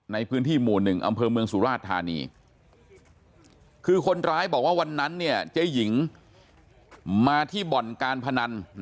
ในพื้นที่๑อำเพลิงเมืองศูอราชธานีคือคนร้ายบอกว่าวันนั้นเนี่ยใจหญิงมาที่บ่อนการพนัน